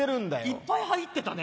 いっぱい入ってたね。